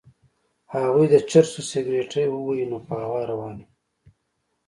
هغوی د چرسو سګرټی ووهي نو په هوا روان وي.